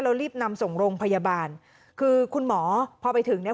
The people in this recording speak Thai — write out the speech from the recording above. แล้วรีบนำส่งโรงพยาบาลคือคุณหมอพอไปถึงเนี่ย